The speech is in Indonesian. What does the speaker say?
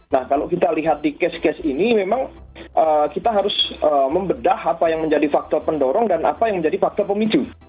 nah kalau kita lihat di case case ini memang kita harus membedah apa yang menjadi faktor pendorong dan apa yang menjadi faktor pemicu